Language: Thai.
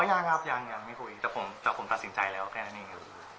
ยังครับยังยังไม่คุยแต่ผมตัดสินใจแล้วแค่นั้นเองครับ